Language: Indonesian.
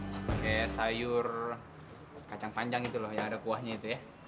sama kayak sayur kacang panjang gitu loh yang ada kuahnya itu ya